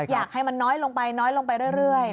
อยากให้มันน้อยลงไปน้อยลงไปเรื่อย